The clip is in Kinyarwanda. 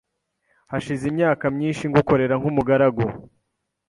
‘ hashize imyaka myinshi ngukorera nk’umugaragu